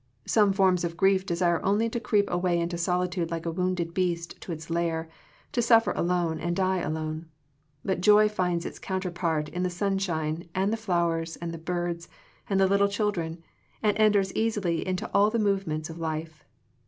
Some forms of grief desire only to creep away into solitude like a wounded beast to its lair, to suffer alone and to die alone. But joy finds its counterpart in the sun shine and the flowers and the birds and the little children, and enters easily into all the movements of life.